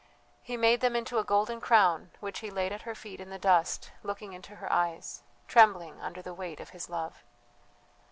He made them into a golden crown which he laid at her feet in the dust, looking into her eyes, trembling under the weight of his love.